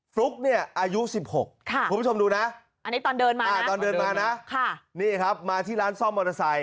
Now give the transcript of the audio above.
ฟลุ๊กเนี่ยอายุ๑๖คุณผู้ชมดูนะอันนี้ตอนเดินมาตอนเดินมานะนี่ครับมาที่ร้านซ่อมมอเตอร์ไซค